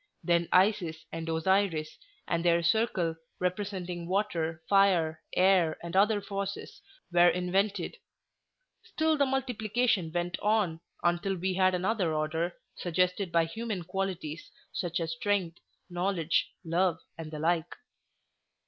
Then Isis and Osiris, and their circle, representing water, fire, air, and other forces, were invented. Still the multiplication went on until we had another order, suggested by human qualities, such as strength, knowledge, love, and the like."